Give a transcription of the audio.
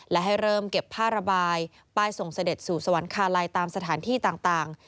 และให้เริ่มเก็บผ้าระบายป้ายส่งเสด็จสู่สวรรคาลัยตามสถานที่ต่าง